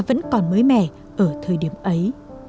vẫn còn mới mẻ ở thời điểm ấy